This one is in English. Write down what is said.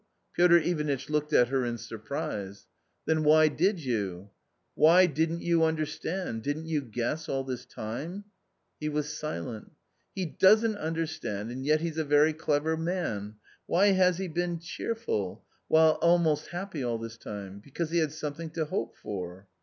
^. Piotr Ivanitch looked at her in surprise. " Then why did you ?"" Why, didn't you understand, didn't you guess, all this time ?" He was silent. " He doesn't understand, and yet he's a very clever man ! Why has he been cheerful — well, almost happy all this time ? Because he had something to hope for."